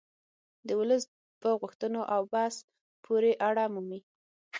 د ولس په غوښتنو او بحث پورې اړه مومي